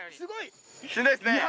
しんどいっすね！